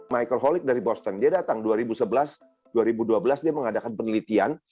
michael holik dari boston dia datang dua ribu sebelas dua ribu dua belas dia mengadakan penelitian